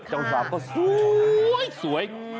จ้าสาวก็สวยสวย